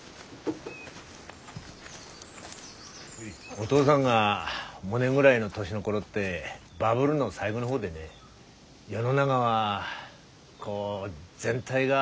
お父さんがモネぐらいの年の頃ってバブルの最後の方でね世の中はこう全体が右肩上がりで。